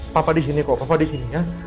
papa di sini kok bapak di sini ya